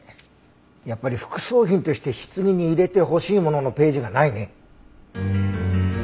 やっぱり「副葬品として棺に入れてほしいもの」のページがないね。